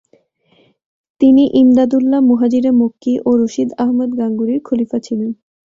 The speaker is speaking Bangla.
তিনি ইমদাদুল্লাহ মুহাজিরে মক্কি ও রশিদ আহমদ গাঙ্গুহির খলিফা ছিলেন।